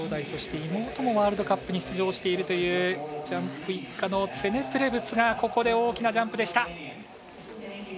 そして、妹もワールドカップに出場しているというジャンプ一家のツェネ・プレブツがここで大きなジャンプでした。